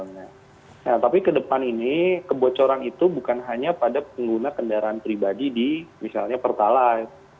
nah tapi ke depan ini kebocoran itu bukan hanya pada pengguna kendaraan pribadi di misalnya pertalite